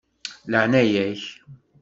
Laεnaya-k.